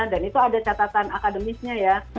dan itu ada catatan akademisnya ya